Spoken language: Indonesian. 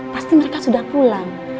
pasti mereka sudah pulang